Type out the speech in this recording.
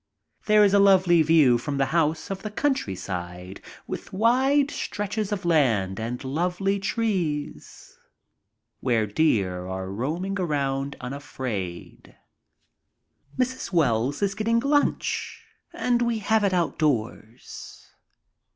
There is a lovely view from the house of the countryside, with wide stretches of land and lovely trees, where deer are roaming around unafraid. Mrs. Wells is getting lunch and we have it outdoors.